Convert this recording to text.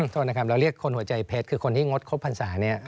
โทษนะครับเราเรียกคนหัวใจเพชรคือคนที่งดครบพรรษาเนี่ย